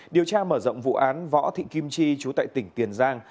điều tra mở rộng vụ án võ thị kim chi chú tại tỉnh tiền giang